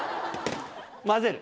混ぜる？